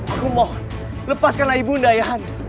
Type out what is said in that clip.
aku mohon lepaskanlah ibunda yahan